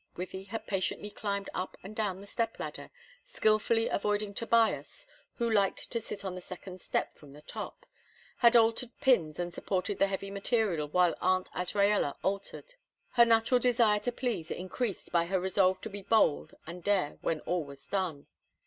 Wythie had patiently climbed up and down the step ladder, skilfully avoiding Tobias, who liked to sit on the second step from the top; had altered pins, and supported the heavy material while Aunt Azraella altered; her natural desire to please increased by her resolve to be bold and dare when all was done.